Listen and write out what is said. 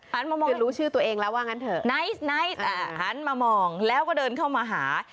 หันมามองด้วยหันมามองหันมามองแล้วก็เดินเข้ามาหา